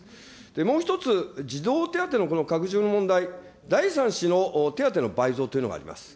もう一つ、児童手当のこの拡充の問題、第３子の手当の倍増というのがあります。